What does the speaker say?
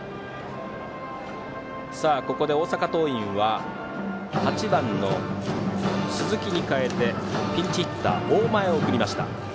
ここで大阪桐蔭は８番の鈴木に代えてピンチヒッター大前を送りました。